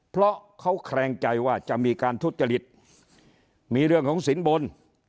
เพราะเขาแคลงใจว่าจะมีการทุจริตมีเรื่องของสินบน